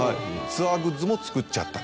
ツアーグッズも作っちゃった。